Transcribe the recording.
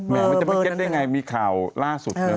มันจะไม่เก็บได้ไงมีข่าวล่าสุด